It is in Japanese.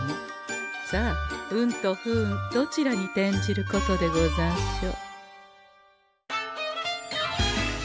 さあ運と不運どちらに転じることでござんしょう。